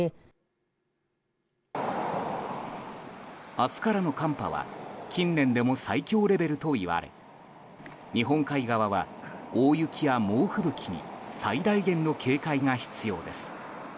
明日からの寒波は近年でも最強レベルといわれ日本海側は大雪や猛吹雪に最大限の警戒が必要です。